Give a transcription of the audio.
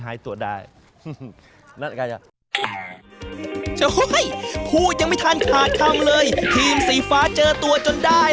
แต่ถ้าอินี่หลบที่ไหนไม่มีใครตามเจอ